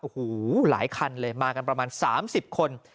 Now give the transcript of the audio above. โอ้โหหลายคันเลยมากันประมาณ๓๐คน